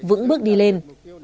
vững bước đi lên